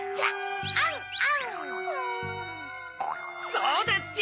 そうだっちゃ！